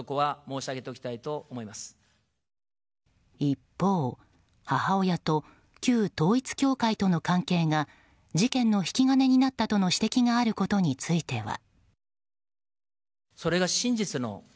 一方、母親と旧統一教会との関係が事件の引き金になったとの指摘があることについては。